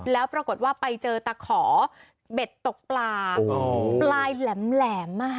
แล้วปรากฏว่าไปเจอตะขอเบ็ดตกปลาปลายแหลม